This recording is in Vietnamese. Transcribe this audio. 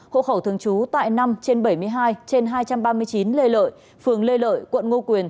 hộ khẩu thường trú tại năm trên bảy mươi hai trên hai trăm ba mươi chín lê lợi phường lê lợi quận ngô quyền